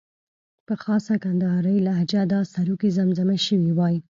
په خاصه کندارۍ لهجه دا سروکی زمزمه شوی وای.